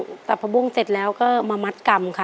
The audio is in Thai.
ขั้นตอนตั้งแต่เริ่มต้นจนเสร็จแล้วใส่ถุงเนี่ยฮะต้องทำอะไรบ้างครับ